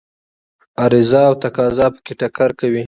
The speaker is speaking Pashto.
عرضه او تقاضا په کې ټکر کوي.